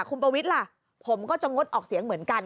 คุณประวิทย์ล่ะผมก็จะงดออกเสียงเหมือนกัน